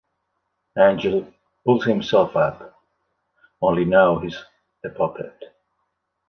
Angel pulls himself up... only now he's a puppet.